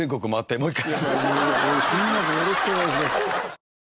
よろしくお願いします。